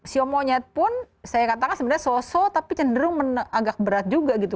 sio monyet pun saya katakan sebenarnya sosok tapi cenderung agak berat juga gitu